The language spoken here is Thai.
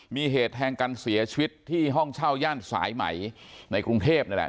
มีเหตุแทงกันเสียชีวิตที่ห้องเช่าย่านสายไหมในกรุงเทพนี่แหละ